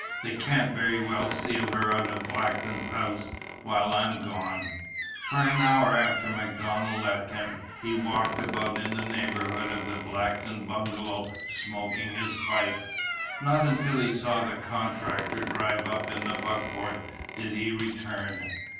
They can't very well steal her out of Blackton's house while I'm gone." For an hour after MacDonald left him he walked about in the neighbourhood of the Blackton bungalow smoking his pipe. Not until he saw the contractor drive up in the buckboard did he return.